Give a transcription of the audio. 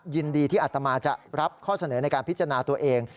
ยินดีที่อัตมาจะรับข้อเสนอในการพิจารณาตัวเอง